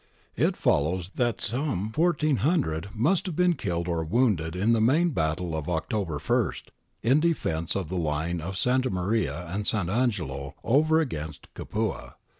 It follows that some 1400 must have been killed or wounded in the main battle of October i, in defence of the line of Santa Maria and Sant' Angelo over against Capua.